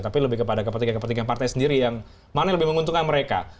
tapi lebih kepada kepentingan kepentingan partai sendiri yang mana yang lebih menguntungkan mereka